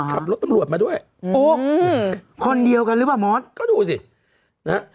ขับรถตำรวจมาด้วยโอ้คนเดียวกันหรือเปล่ามอสก็ดูสินะฮะ